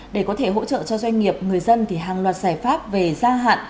để có thể hỗ trợ cho doanh nghiệp người dân thì hàng loạt giải pháp về gia hạn